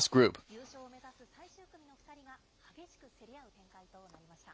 優勝を目指す最終組の２人が、激しく競り合う展開となりました。